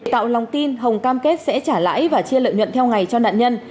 tạo lòng tin hồng cam kết sẽ trả lãi và chia lợi nhuận theo ngày cho nạn nhân